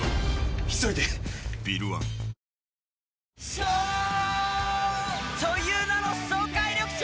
ぷはーっ颯という名の爽快緑茶！